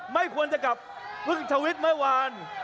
ไม่ควรจะกลับเพิ่งทวิตเมื่อวาน